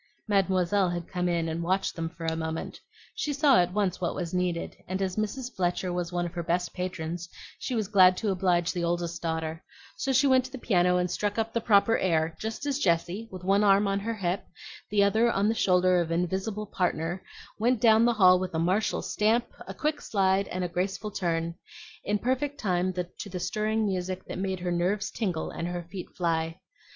Mademoiselle had come in and watched them for a moment. She saw at once what was needed, and as Mrs. Fletcher was one of her best patrons, she was glad to oblige the oldest daughter; so she went to the piano and struck up the proper air just as Jessie, with one arm on her hip, the other on the shoulder of an invisible partner, went down the hall with a martial stamp, a quick slide, and a graceful turn, in perfect time to the stirring music that made her nerves tingle and her feet fly.